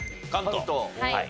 はい。